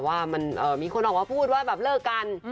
ว่ามันมีคนออกมาพูดว่าแบบเลิกกัน